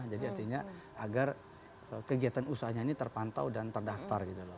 jadi artinya agar kegiatan usahanya ini terpantau dan terdaftar gitu loh